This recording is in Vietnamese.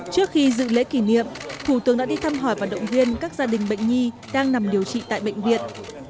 trước khi dự lễ kỷ niệm thủ tướng đã đi thăm hỏi và động viên các gia đình bệnh nhi đang nằm điều trị tại bệnh viện